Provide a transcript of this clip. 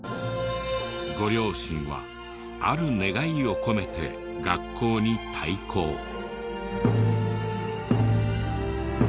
ご両親はある願いを込めて学校に太鼓を。